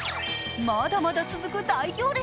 まだまだ続く大行列。